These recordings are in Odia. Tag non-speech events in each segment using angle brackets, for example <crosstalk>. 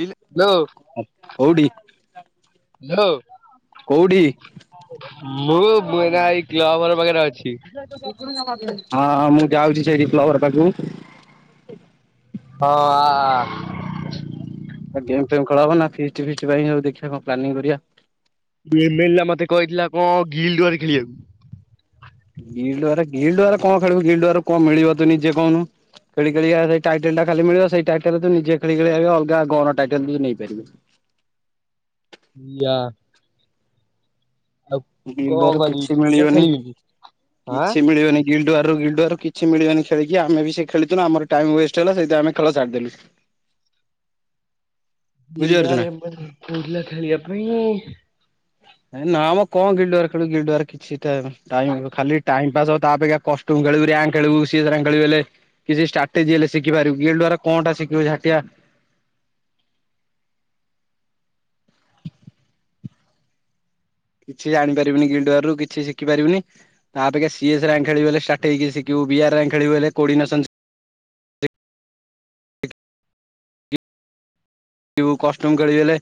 ହ୍ୟାଲୋ କୋଉଟି, ହ୍ୟାଲୋ କୋଉଠି? ମୁଁ ମୁ ଏଇନା ଏଇ କ୍ଲବଘର ପାଖରେ ଅଛି। <unintelligible> ହଁ ହଁ ମୁଁ ଯାଉଛି ସେଇଠି କ୍ଳବ ଘର ପାଖକୁ। ହଁ ଆ ଆ। ଆ ଗେମ୍ ଫେମ୍ ଖେଳହବ ନା ଫିଷ୍ଟ ଫିଷ୍ଟ ପାଇଁ ହଉ ଦେଖିବା କଣ ପ୍ଲାନିଂ କରିବା। ବି ଏମେଲଲା ମତେ କହିଥିଲା କଣ ଗିଲ୍ଡ଼ ୱାର୍ ଖେଳିବାକୁ। ଗିଲ୍ଡ଼ ୱାର ଗିଲ୍ଡ଼ ୱାର କଣ ଖେଳିବୁ ଗିଲ୍ଡ଼ ୱାରରୁ କଣ ମିଳିବ ତୁ ନିଜେ କହୁନୁ। ଖେଳି ଖେଳିକା ସେଇ ଟାଇଟେଲ୍ ଟା ଖାଲି ମିଳିବ, ସେଇ ଟାଇଟେଲରେ ତୁ ନିଜେ ଖେଳି ଖେଳି ଭାବି ଅଲଗା ଗନ୍ ଟାଇଟେଲ୍ ବି ନେଇପାରିବେ। ୟା ଆଉ ଗିଲ୍ଡ଼ କଣ ୱାରରୁ କରିବି କିଛି ସେଇଟା ମିଳିବନି, ଖେଳିବିନି ଆଁ କିଛି ମିଳିବନି। ଗିଲ୍ଡ଼ ୱାରରୁ ଗିଲ୍ଡ଼ ୱାରରୁ କିଛି ମିଳିବନି ଖେଳିକି ଆମେ ବି ସେଇ ଖେଳୁଥିନୁ ଆମର ଟାଇମ୍ ୱେଷ୍ଟ ହେଲା ସେଇଥିପାଇଁ ଆମେ ଖେଳ ଛାଡ଼ିଦେଲୁ। ଗିଲ୍ଡ଼ ବୁଝିପାରୁଛୁ ନା। ୱାର <unintelligible> କହୁଥିଲା ଖେଳିବା ପାଇଁ। ଏ ନାଆଁମ କଣ ଗିଲ୍ଡ଼ ୱାର ଖେଳିବୁ ଗିଲ୍ଡ଼ ୱାର କିଛିଟା ଟାଇମ୍ ଖାଲି ଟାଇମ୍ ପାସ୍ ହବ, ତା ଅପେକ୍ଷା କଷ୍ଟୁମ୍ ଖେଳିବୁ, ରିୟାଙ୍କ ଖେଳିବୁ, ସିଏ ସ ରିୟାଙ୍କ ଖେଳିବୁ ହେଲେ କିଛି ଷ୍ଟାଟେଜି ହେଲେ ଶିଖି ପାରିବୁ ଗିଲ୍ଡ଼ ୱାର କଅଁଟା ଶିିଖିବୁ ଝାଟିଆ। କିଛି ଜାଣିପାରିବିନି ଗିଲ୍ଡ଼ ୱାରରୁ କିଛି ଶିଖି ପାରିବୁନି। ତାପ ଅପେକ୍ଷା ସିଏସ୍ ରିୟାଙ୍କ ଖେଳିବୁ ହେଲେ ଷ୍ଟେଟେଇକି ଶିଖିବୁ ବି ଆର ରିଆଙ୍କ ଖେଳିବୁ ହେଲେ କୋଡିନେସନ୍ ଖିବୁ, କଷ୍ଟୁମ୍ ଖେଳିବି ହେଲେ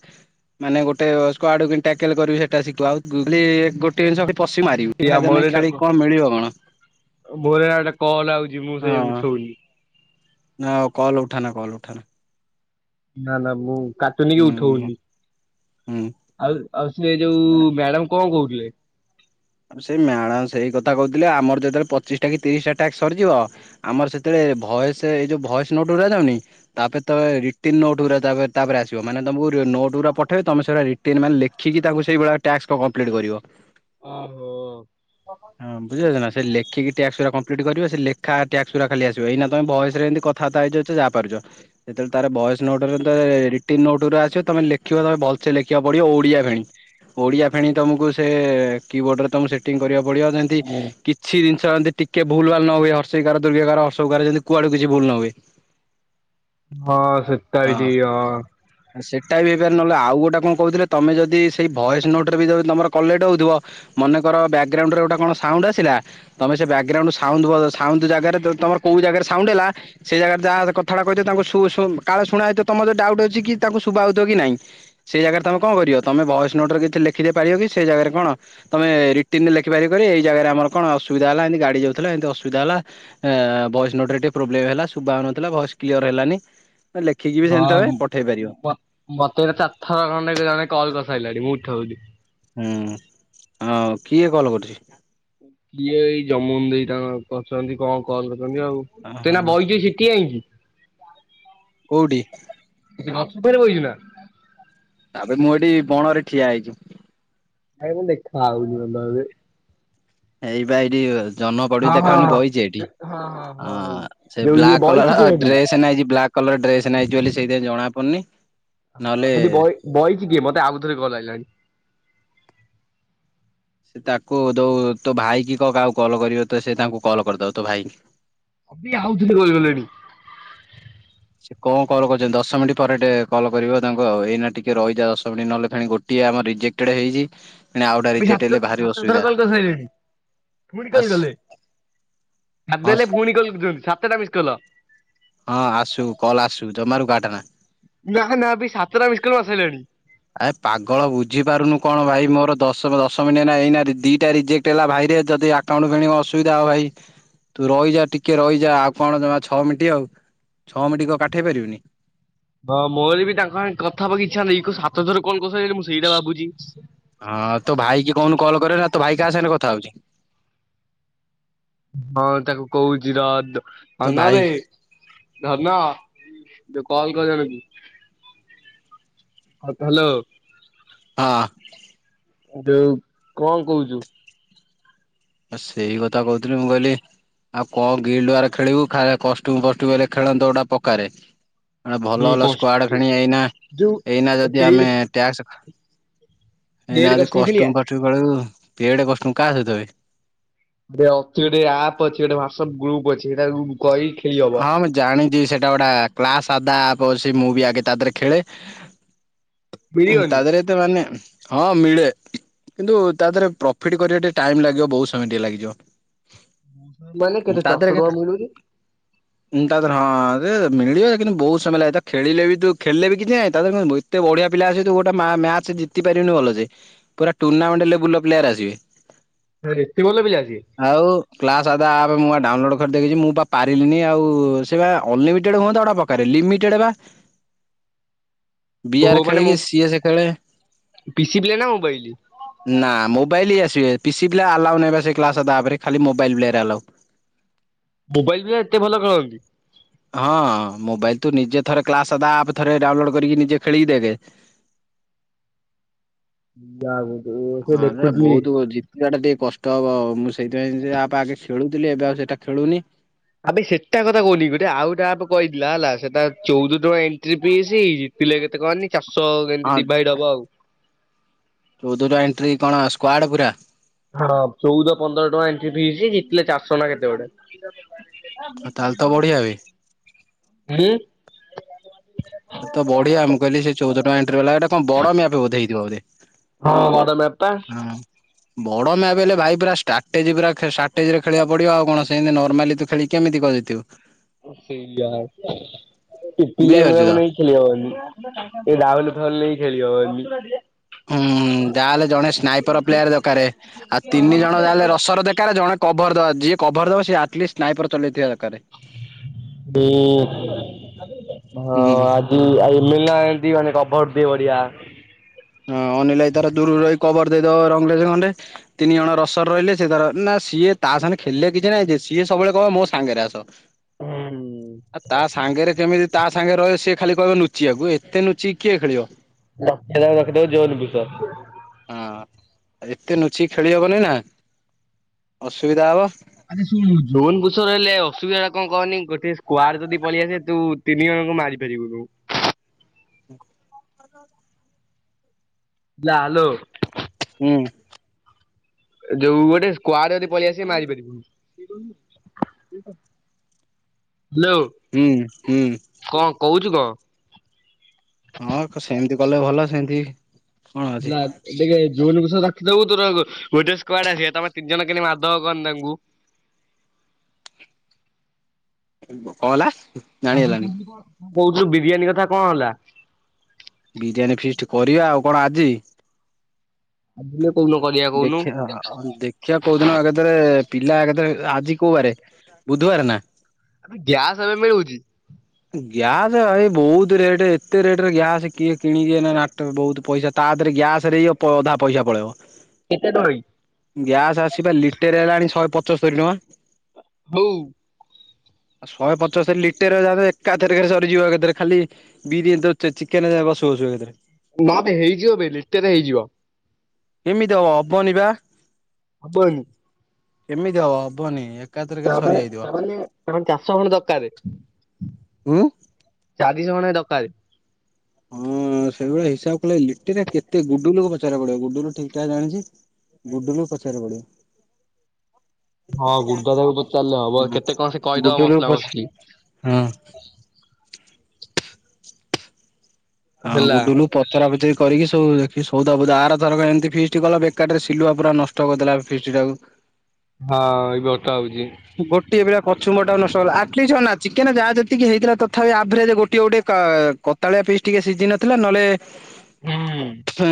ମାନେ ଗୋଟେ ସ୍କ୍ୱାଡ଼କୁ ଇନ୍ଟାକେଲ୍ କରିବୁ ସେଟା ଶିଖବୁ, ଆଉ ଖାଲି ଗୋଟେ ଜିନିଷ ପଶି ମାରିବି, କି ଫାଇଦା ଆମର ନାହିଁ ଏଇନା ଖେଳିକି କଣ ମିଳିବ କଣ? ମୋର ଏଆଡ଼େ କଲ୍ ଆଉଚି ମୁଁ ସେ ଉଠଉନି। ନାଁ ଆଉ କଲ୍ ଉଠାନା କଲ୍ ଉଠାନା। ନା ନା ମୁଁ କାଟୁନିକି ହୁଁ ଉଠଉନି, ହୁଁ ଆଉ, ଆଉ ସେ ଯୋଉ ମ୍ୟାଡାମ୍ କଣ କହୁଥିଲେ? ଆଉ ସେଇ ମ୍ୟାଡ଼ାମ୍ ସେଇ କଥା କହୁଥିଲେ ଆମର ଯେତେବେଳେ ପଚିଶ୍ଟା କି ତିରିଶ୍ଟା ଟାସ୍କ ସରିଯିବ ଆମର ସେତେବେଳେ ଭଏସ୍, ଏଇ ଯୋଉ ଭଏସ୍ ନୋଟ୍ ଉଡା ଯାଉନି ତାପରେ ତ ଏ ରିଟିନ୍ ନୋଟ୍ ଉରା ତାପରେ, ତାପରେ ଆସିବ ମାନେ ତମକୁ ନୋଟ୍ ଉରା ପଠେଇବେ ତମେ ସେଉରା ରି ଟିନ୍ ମାନେ ଲେଖିକି ତାଙ୍କୁ ସେଇଭଳିଆ ଟାସ୍କ କ କଂମ୍ପ୍ଲିଟ୍ କରିବ। ଅଁହୋ। ହଁ ବୁଝିପାରୁଛ ନା ସେ ଲେଖିକି ଟ୍ୟାସ୍କଉରା କଂମ୍ପ୍ଲିଟ୍ କରିବେ ସେ ଲେଖା ଟ୍ୟାସ୍କ ଉରା ଖାଲି ଆସିବ ଏଇନା ତମେ ଭଏସ୍ ରେ ଏମିତି କ୍ କଥାବାର୍ତ୍ତା ହେଇଚ ଯା ପାରୁଚ। ଯେତେବେଳେ ତାର ଭଏସ ନୋଟରେ ଯେତଳେ ରିଟିନ୍ ନୋଟ୍ ଉରା ଆସିବ ତମେ ଲେଖିବ ତମେ ଭଲସେ ଲେଖିବାକୁ ପଡିବ ଓଡିଆ ଫେଣି। ଓଡିଆ ଫେଣି ତମକୁ ସେ କି ବୋର୍ଡରେ ତମକୁ ସେଟିଂ କରିବାକୁ ପଡିବ ଯେମତି କିଛିି ଜିନିଷ ଯେମିତି ଟିକେ ଭୁଲ ଭାଲ୍ ନ ହୁଏ ହର୍ସେଇକାର୍ ଦୁର୍ଘେଇକାର ହର୍ସଉକାର ଯେମିତି କୁଆଡୁ କିଛି ଭୁଲ ନ ହୁଏ। <inaudible> ହଁ ସେଟା ବି ଠିକ୍ ହଁ। ସେଟା ବି ହେଇପାର୍ ନହଲେ ଆଉ ଗୋଟେ କଣ କହୁଥିଲେ ତମେ ଜଦି ସେଇ ଭଏସ୍ ନୋଟରେ ବି ଯଦି ତମର କଲେକ୍ଟ ହଉଥୁବ ମନେକର ବ୍ୟାକଗ୍ରାଉଣ୍ଡରେ ଗୋଟେ କଣ ସାଉଣ୍ଡ ଆସିଲା। ତମେ ସେ ବ୍ୟାକଗ୍ରାଉଣ୍ଡ। ସାଉଣ୍ଡଜାଗାରେ ତମର କୋଉ ଜାଗାରେ ସାଉଣ୍ଡ ହେଲା। ସେ ଜାଗାରେ ଯାହା ହେଲେ କଥାଟା କହୁଥିବ କାଳେ ଶୁଣାହେଉଥିବ ତମର ଡାଉଟ ଅଛି କି ତାଙ୍କୁ ସୁଭାହଉଥିବ କି ନାଇଁ। ସେଇ ଜାଗାରେ ତମେ କଣ କରିବ ତମେ ଭଏସ୍ ନୋଟରେ କିଛିଲେଖିଦେଇ ପାରିବ କି ସେ ଜାଗାରେ କଣ। ତମେ ରିଟିନ୍ ଲେଖିଦେଇପାରିବ କି ଏଇ ଜାଗାରେ ଆମର କଣ ଅସୁବିଧା ହେଲା ଏମିତି ଗାଡି ଯୋଉଥିଲା ଏମିତି ଅସୁବିଧା ହେଲା। ଏଭଏସ୍ ନୋଟ୍ ରେ ଟିକେ ପ୍ରୋବ୍ଲେମ୍ ହେଲା ଶୁଭା ହେଉନଥିଲା ଭଏସ୍ କ୍ଲିୟର୍ ହେଲାନି। ଲେଖିକି କି ସେମିତି ଭାବେ ପଠେଇ ପାରିବ। ମତେଵି ଚାରିଥର ଖଣ୍ଡେ ଜଣେ କଲ୍ କରିସାରିଲାଣି ମୁଁ ଉଠଉନି। ହୁଁଆଉ କିଏ କଲ୍ କରୁଛି। କିଏ ଏଇ ଜମୁନଦେଇ ତାଙ୍କ କଲ କରିଛନ୍ତି। କଣ କଲ୍ କରିଛନ୍ତି ଆଉ। ମୁଁ ତ ଓହୋ ଏଇନେ କହିକି ସେଠି ଆଇଲି। କଉଠି। ଛକରେ ବଇଛୁ ନା। ତାପରେ ମୁଁ ଏଠି ବଣରେ ଠିଆ ହେଇଛି। ଆଖିକୁ ଦେଖା ହଉନି ବୋଧେ। ଏଇପା ଏଇଠି ବାସ। ଜହ୍ନ ପଡୁଛି ହଁ ଦେଖା ହଁ ହଉନି ହଁ ବଇଚି ଏଠି। ହଁ ହଁ ହେଇ। ଅଁ ସେ ଯୋଉ ଇଏ ବ୍ଲାକ୍ ବଇଚି କଲର କିଏ ହେଠି? ଡ୍ରେସ୍ ନେଇଛି ବ୍ଲାକ୍। ବ୍ଲାକ କଲର୍ ଡ୍ରେସ୍ ନେଇଛୁ ବୋଲି ସେଇଥି ପାଇଁ ଜଣା ପଡୁନି। ହଁ ନହେଲେ ହେଠି ବଇ ବଇଚି କିଏ ମତେ ଆଉ ଥରେ କଲ ଆଇଲାଣି। ତାକୁ ଜଉ ତୋ ଭାଇ କି କହ କାହାକୁ କଲ୍ କରିବ ତ ସେ ତାଙ୍କୁ କଲ୍ କରିଦବ ତୋ ଭାଇକି। ଏବେ ଆଉଥରେ ଗଲେ ଗଲେଣି। ସେ କଣ କଲ୍ କରିୁଛନ୍ତି ଦଶ୍ ମିନିଟ୍ ପରେ ଟିକେ କଲ୍ କରିବେ ତାଙ୍କୁ। ଏଇନା ଟିକେ ରହିଯା ଦଶ ମିନିଟ୍ ନହଲେ ଫେଣି ଗୋଟ୍। ଗୋଟେ ଆମର ରିଜେକେଡ୍ ହେଇଯାଇଛି। ଏବେ ସାତ ସାତ ଥର କଲ୍ କରିସାରିଲେଣି ପୁଣି କଲ୍ ଆସ କଲେ। ହଁ ହାପିହେଲେ ପୁଣି କଲ୍ କରିଛନ୍ତି ସାତ ଟା ମିସ୍ କଲ। ହଁ ଆସୁ କଲ୍ ଆସୁ ଜମାରୁ କାଟେ ନା। ନାଃ- ନା ଏବେ ସାତଟା ମିସ୍କଲ୍ ମାରିସାରିଲେଣି। ଆର୍ ପାଗଳ ବୁଝି ପାରୁନୁ କଣ ଭାଇ ମୋର ଦଶ ଦଶ ମିନି ଏଇନା ଦିଟା ରିଜେକ୍ଟ ହେଲା ଭାଇରେ ଯଦି ଆ। କଣ ଫିଣି ଅସୁବିଧା ହବ ଭାଇ। ତୁ ରହିଯା ଟିକେ ରହିଯା ଆଉ କଣ ଜମା ଛଅ ମିନିଟି୍ ଆଉ। ଛଅ ମିନିଟ କଣ କାଠେଇ ପାରିବିନି। ହଁ ମୋର ବି ତାଙ୍କ ସାଙ୍ଗ କଥା ହବା ଇଚ୍ଛା ନାହିଁ କଣ ସାତ ଥର ଫୋନ କରି ସାରିଲାଣି ମୁଁ ସେଇଟା ଭାବୁଛି। ହଁ ତୋ ଭାଇ କି କହୁନୁ କଲ୍ କରିବ ନା ତୋ ଭାଇ କାହା ସାଙ୍ଗରେ କଥା ହଉଛି। ହଁ ତାକୁ କହୁଛି ରହ ତୋ ଧନ ଭାଇ ବେ ହଁ ଧନ ତୁ କଲ୍ କରିବ ବେଲକି। ହାଲୋ। ହଁ। ଯୋଉ କଣ କହୁଚୁ। ଆଉ ସେଇ କଥା କହୁଥିଲି ମୁଁ କହିଲି। ଆଉ କଣ ଗିଲଡିୱାର ଖେଳିବୁ। ଖାଇବା କୁଷ୍ଟୁମ କଷ୍ଟ୍ୟୁମ ହେଲେ ଖେଳନ୍ତୁ ଗୋଟେ ପକାରେ। ଭଲ ହୁଁ ଭଲ ସ୍କୁଆଡ଼ କଷ୍ଟ ଫେଣି ଏଇନା। ଯୋଉ ଏଇନା ଯଦି ପେଡ୍ ଆମେ। ଟାସ୍କ। ପେଡ୍ ଏଇନେ ଯଦି କଷ୍ଟମ ଖେଳିବା? କଷ୍ଟ୍ୟୁମ ଫସ୍ଟୁମ ଖେଳିବୁ ଡେଡ କଷ୍ଟ୍ୟୁମ କାହା ସହିତ ବେ। ଅଛି ଗୋଟେ ଆପ ଅଛି ଗୋଟେ ହ୍ୱାଟ୍ସପ ଗ୍ରୁପ୍ ଅଛି ସେଇଟାକୁ କହିକି। ହଁ ମୁଁ ଜାଣିଛି ସେଇଟା ଗୋଟେ କ୍ଲାସ ଆଦା ସେ ମୁଁ ବି ଆଗେ ତା ଦେହରେ ଖେଳେ। ତା ମିଳିବନି। ଦେହରେ ତ ମାନେ। ହଁ ମିଳେ କିନ୍ତୁ ତା ଦେହରେ ପ୍ରଫିଟ କରିବା ଟିକେ ଟାଇମ ଲାଗିବ। ବହୁତ ସମୟ ଟିକେ ଲାଗଯିବ। ମାନେ କେତେ ଚାରିଶହ ଟଙ୍କା ମିଳୁଛି। ହ ହୁଁ ତା ଦେହରେ ହଁ ରେ ମିଳିବ କିନ୍ତୁ ବହୁତ ସମୟ ଲାଗେତ ଖେଳିଲେ ବି ତୁ ଖେଳେ ବି କିଛି ନାଇଁ ତା ଦେହରେ କଣ ଏତେ ବଢିଆ ପିଲା ସତୁ ଗୋଟେ ମ୍ୟା ମ୍ୟାଚ ଜିତି ପାରିବନି ଭଲ ସେ। ପୁରା ଟୁଣ୍ଣାମେଣ୍ଟ ଲେବୁଲ ର ପିଲା ଗୁଡ଼ା ଆସିବେ। ଆରେ ଏତେ ଭଲ ପିଲା ଆସିବେ। ଆଉ କ୍ଲାସ ଆବା ଆବେ ମୁଁ ଡାଉନଲୋଡ କରିଦେଇକିଯିବି ମୁଁ ବା ପାରିଲିନି ଆଉ ସେ ବା ଅନଲିମିଟେଡ ହୁଅନ୍ତା ଗୋଟେ ପ ରେ ଲିମିଟେଡ ବା ବି ବୋହୁ ଆର୍ ମାନେ ମୋ ଖେଳିକି ସିଏ ସେ ଖେଳେ ପିସି ପିଲା ନା ମୋବାଇଲ ନା ମୋବାଇଲ ହି ଆସେବେ ପି ସି ପିଲା ଆଲାଉ ନାହିଁ ପା ସେ କ୍ଲାସ ତା ପରେ ଖାଲି ମୋବାଇଲ୍ ପ୍ଲେ ରେ ଆଲାଉ। ମୋବାଇଲ ବି ଏତେ ଭଲ ଖେଳନ୍ତି? ହଁ ମୋବାଇଲ ତୁ ନିଜେ ଥରେ କ୍ଲାସା ଆପ ଥରେ ଡାଉନଲୋଡ କରିକି ନିଜେ ଖେଳିକି ଦେଖେ। <unintelligible> ଯା ସେ ଦେଖୁଥିଲି। ଯିବାଟା ଟିକେ କଷ୍ଟ ହବ ମୁଁ ସେଇଥିପାଇଁ ଯେ ଆପେ ଆଗେ ଖେଳୁଥିଲି ଏବେ ଆଉ ସେଇଟା ଖେଳୁନି। ଆବେ ସେଟା କଥା କହୁନି ଗୋଟେ ଆଉ ଗୋଟେ ଆପ କହିଥିଲା ହେଲା ସେଟା ଚଉଦ ଟଙ୍କା ଏଣ୍ଟ୍ରି ପିସ୍ ହେଇକି ପିଲା କେତେ କହନି ଚାରଷ କେମିତି ହଁ ଡିଭାଇଡ ହବ ଆଉ। ଚଉଦ ଟା ଏଣ୍ଟ୍ରି କଣ ସ୍କୁଆଡ଼ ପୁରା। ହଁ ଚଉଦ ପନ୍ଦର ଟଙ୍କା ଏଣ୍ଟ୍ରି ଫିସ୍ ଜିତିଲେ ଚାରିଶହ ନା କେତେ ଗୋଟେ। ଆଉ ତାହେଲେ ତ ବଢିଆ ବେ। ଏଡି <unintelligible> ଏ ତ ବଢିଆ ମୁଁ କହିଲି ସେ ଚଉଦ ଟଙ୍କା ଏଣ୍ଟ୍ରି ବାଲାଟା କଣ ବଡ ମ୍ୟାପ ବୋଧେ ହେଇଥିବ ବୋଧେ। ହଁ ବଡ଼ ମ୍ୟାପ ଟା। ହଁ ବଡ ମ୍ୟାପ ହେଲେ ଭାଇ ପୁରା ଷ୍ଟାଟେଜି ପୁରା ଷ୍ଟ୍ରାଟେଜି ରେ ଖେଳିବା ପଡିବ ଆଉ କଣ ସେତି ନର୍ମାଲି ତୁ ଖେଳି କେମିତି କଣ ଜିତିବୁ। ଓହୋ ସେଇଆ <unintelligible> ଏ ପିଲା ମାଳ ବୁଝିପାରୁଛୁ ତ। ମାନେ। ଖେଳି ହବନି ଏଇ ରାଉଲ ଫାଉଲ ନେଇ ଖେଳି ହବନି। ହୁଁ ଯାହାହେଲେ ଜଣେ ସ୍ନାଇପର ପ୍ଲେୟାର ଦରକାରେ ଆଉ ତିନି ଜଣ ଯାହାହେଲେ ରସର ଦରକାରେ ଜଣେ କଭର ଦେବା ଯିଏ କଭର ଦେବା ସି ଆଟ୍ଲିଷ୍ଟ ସ୍ନାଇପର ଚଳେଇଥିବା ଦରକାରେ। <unintelligible> ହୁଁ ହଁ ଆ କି ଆଉ ଏମିଲ ନା ଏନ୍ତି ମାନେ କଭର ଦିଏ ବଢିଆ। ହଁ ଅନିଲ ଭାଇ ତାର ଦୂରରୁ ରହି କବର ଦେଇଦବ ରଙ୍ଗରେଜ ଖଣ୍ଡେ। ତିନି ଜଣ ରସର ରହିଲେ ସେ ତାର ନା ସିଏ ତା ସାଙ୍ଗେ ଖେଳିଲେ କିଛି ନାହିଁ ଯେ ସିଏ ସବୁବେଳେ କହିବ ମୋ ସାଙ୍ଗରେ ଆସ। ହୁଁ ଆ ତା ସାଙ୍ଗରେ କେମିତି ତା ସାଙ୍ଗେ ରହିବ ସେଏ ଖାଲି କହିବ ନୁଚିିବାକୁ ଏତେ ନୁଚି କିଏ ଖେଳିବ। ନଖ ନା ନଖ ଦେ ଯେଉନ ପିସ <unintelligible> ହଁ ଏତେ ନୁଚିି ଖେଳି ହବନି ନା ଅସୁବିଧା ହବ। ଆଛା ଶୁଣୁ ଜନ ବୁଷ ର ହେଲେ ଅସୁିଧଟା କଣ କହନି ଗୋଟେ ସ୍କୁଆଡ଼ ଯଦି ପଳେଇଆସେ ତୁ ତିନି ଜଣଙ୍କୁ ମାରିପାରିବୁନୁ। ହୁଁ। ଯା ଲୋ। ହୁଁ। ଯୋଉ ଗୋଟେ ସ୍କୁଆଡ଼ ଯଦି ପଳେଇ ଆସିବେ ମାରିପାରିବୁନ <inaudible> ହ୍ୟାଲୋ ହୁଁ ହୁଁ କଣ କହୁଛୁ କଣ? ହଁ ଖ ସେମିତି କଲେ ଭଲ ସେମିତି କଣ ଅଛି ହେଲା ଟିକେ ଜୋନକୁ <unintelligible> ଯୋଉ ତର ଗୋ ଗୋଟେ ସ୍କୁଆଡ଼ ଆସିବେ ତମେ ତିନି ଜଣ କେମିତି ମାରିଦବ କହନି ତାଙ୍କୁ। କଁହେଲା? ଆଜି କୋଉଚୁ କଣ କହୁଚୁ ବିରିୟାନୀ କଥା କଁ ହେଲା? ବିରିୟାନୀ ଫିଷ୍ଟି କରିବା ଆଉ କଣ ଆଜି? ଆ କୋଉଦିନ କୋଉନୁ କରିବାଆ କୋହୁନୁ? ଦେଖିଆ କୋଉଦିନ ଏକାଥରେ ପିଲା ଏକାଥରେ ଆଜି କୋଉ ବାରେ ବୁଧବାରେନା? ଏବେ ଗ୍ୟାସ୍ ଏବେ ମିଳୁଚି? ଗ୍ୟାସ୍ ଭାରି ବହୁତ୍ ରେଟ୍ ଏତେ ରେଟରେ ଗ୍ୟାସ୍ କିଏ କିଣିକି ଏଇନା ନାଟ ବହୁ ପଇସା ତା ଦେହରେ ଗ୍ୟାସରେ ଇଏ ଅଧା ପଇସା ପଳେଇବ। କେତେ ଦୋଳି? ଗ୍ୟାସ୍ ଆସିବା ଲିଟରେ ହେଲାଣି ଶହେ ପଚସ୍ତରିୀ ଟଙ୍କା। ଆଉ ଆଉ ଶହେ ପଚୋସ୍ତରି ଲିଟରେ ଯାକେ ଏକାଥରେକରେ ସରିଯିବ କେତେରେ ଖାଲି ବିରି ଚିକେନ କଷୁ କଷୁଏକାଥରେ। ମୋଦେ ହେଇଯିବବେ ଲିଟେରେ ହେଇଯିବ। କେମିତି ହବ ହବନିବା। ହବହିଁ। କେମିତି ହବ ହବନି। ଏକାଥରକରେ ତାମାନେ ସରିଯାଇଥିବ ତାମାନେ ଆମର ଚାରଶହ ଖଣ୍ଡେ ଦରକାର୍। ଉଁ। ଚାରିଶ ଖଣ୍ଡେ ଦରକାର। ହଁ ସେଇଭଳିଆ ହିସାବ କଲେ ଲିଟରେ କେତେ ଗୁଡୁଲୁକୁ ପଚାରକୁ ପଡ଼ିବ ଗୁଡୁଲ ଠିକ୍ ଠାକ୍ ଜାଣିଚି। ଗୁଡୁଲୁକୁ ପଚାରିବାରୁ ହଁ ଗୁରୁଦାଦାକୁ ପଚାରିଲେ ହବ ପଡ଼ିବ। କେତେ କଣ ସେ ହଁ କହିଦବ ଗୁଡୁଲୁକୁ ମସଲା ମସଲି ପଚା ହଁ। ହଁ ହେଲା। ଗୁଡୁଲୁ ପଚରା ପଚିରି କରିକି ସବୁ ସୋଉଦା ଫୋଉଦା ଆରଥର ଏମିତିି ଫିଷ୍ଟି କଲା ବେକାରଟାରେ ସିଲୁଆ ପୁରା ନଷ୍ଟ ନଷ୍ଟ କରିଦେଲା ଫିଷ୍ଟି ଟାକୁ। ହଁ ଏବେ ବତା ହଉଚି। ଗୋଟିଏ ପିଲା କଛୁମଟା ନଷ୍ଟ କରିଲା ଆଟ୍ଲିସ୍ ଅନା ଚିକେନ୍ ଯାହା ଯେତିକି ହେଇଥିଲା ତଥାପି ଆଭରେଜ ଗୋଟଏ ଗୋଟେଏ କ କୋତାଳିଆ ପିସ୍ ଟିକେ ସିଝ ନଥିଲା ନହେଲେ ହୁଁ ଉ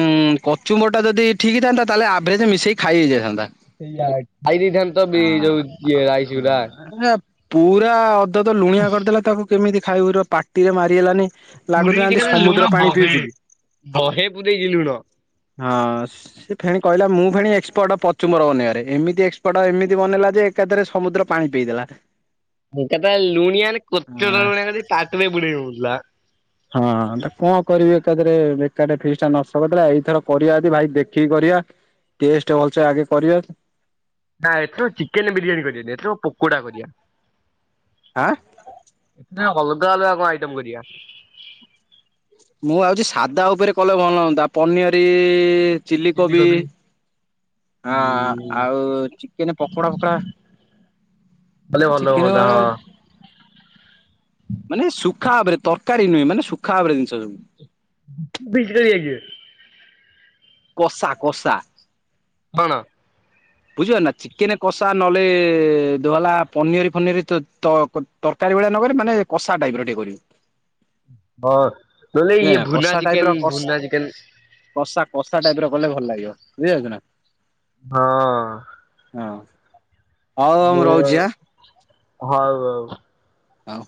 କଚୁମ୍ବରଟା ଯଦି ଠିକିଥାଆନ୍ତା ତାହେଲେ ଆଭରେଜ ମିଶେଇକ ଖାଇ ହେଇଯାଇଥାନ୍ତା। ସେଇଆ ଖାଇ ଦେଇେଇଥାନ୍ତତ ବି ଯୋଉ ଇଏ ରାଇସ୍ ହଁ ଗୁରା। ଏରା ପୁରା ଅଦଦ ଲୁଣିଆ କରିଦେଲା ତାକୁ କେମିତି ଖାଇବୁ ଇରେ ପାଟିରେ ମାରିହେଲାନି। ଲାଗୁଥିଲା ଏମିତି ପୁରେକିନା ଲୁଣ ସମୁଦ୍ର ପାଣି ବହେ ପିଉଛି କି ବହେ ପୁରେଇଚି ଲୁଣ। ହଁ ସେଫେଣେ କହିଲା ମୁଁ ଫେଣେ ଏକ୍ସପର୍ଟ ପଚୁମ୍ବର ବନିବାରେ ଏମିତି ଏକ୍ସପର୍ଟ ଏମିତି ବନେଇଲା ଯେ ଏକାଥରେ ସମୁଦ୍ର ପାଣି ପଇଦେଲା। ଏକାଥରେ ଲୁଣିଆନେ କୋତର ଭଳିଆ ଖାଲି ପାଟିରେ ପୁରେଇ ହୋଉନଥିଲା। ହଁ ତ କଁକରିବି ଏକାଥରେ ଏକାଠେ ଫିସଟା ନଷ୍ଟ କରିଥିଲା ଏଇଥର କରିବା ଯଦି ଭାଇ ଦେଖି ଦେଖିକି କରିବା ଟେଷ୍ଟ ଭଲସେ ଆଗେ କରିବା ନାଁ ଏଥର ଚିକେନ୍ ବିରିୟାନୀ କରିନି ଏଥର ପୋକଡ଼ା କରିବା‌। ଆଁ? ଏଥର ଅଲଗା ଅଲଗା କଁ ଆଇଟେମ୍ କରିଆ। ମୁଁ ଭାବୁଚି ସାଧା ଉପରେ କଲେ ଭଲ ହଆନ୍ତା ପନିଅରି ଚିଲି କୋବି ଅଁ ଆଉ ଚିକେନେ ପକୋଡ଼ା ଫକୋଡ଼ା କଲେ ଭଲ ହୁଅନ୍ତା ହଁ। ମାନେ ଶୁଖା ଭାବରେ ତରକାରୀ ନୁହେଁ ମାନେ ଶୁଖା ଭାବରେ ଜିନିଷ ସବୁ। ବିଜୀ ରହିଯାଇଛି। କଷା କଷା। ହଣା ବୁଝିିବ ନା ଚିକେନ୍ କଷା ନହେଲେ ଧୁଲା ପନିର ଫନିର ତ ତର ତରକାରୀ ଭଳିଆ ନକରି ମାନେ କଷା ଟାଇପ୍ ର ଟିକେ କରିବ। ହଁ ନହେଲେ ଇଏ ଭୁଲା କଷା ଟାଇପ ର ଚିକେନ୍ ଭୁଲା ଚିକେନ୍ କଷା କଷା ଟାଇପ୍ ର କଲେ ଭଲ ଲାଗିବ ବୁଝିପାରୁଛୁ ନା। ହଁ। ହଁ। ହଉ ମୁଁ ରହୁଛି ଆଁ ମୋ--ହଉ ଆଉ। ହଉ।